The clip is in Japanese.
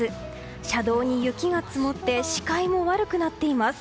車道に雪が積もって視界も悪くなっています。